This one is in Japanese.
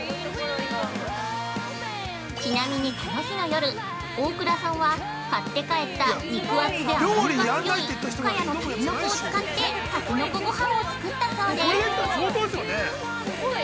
ちなみに、この日の夜大倉さんは、買って帰った肉厚で甘みが多い深谷のタケノコを使ってタケノコごはんを作ったそうです。